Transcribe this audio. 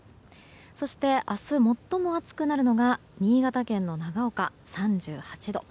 そして明日、最も暑くなるのが新潟県の長岡、３８度。